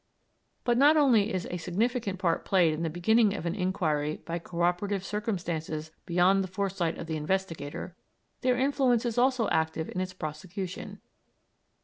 But not only is a significant part played in the beginning of an inquiry by co operative circumstances beyond the foresight of the investigator; their influence is also active in its prosecution.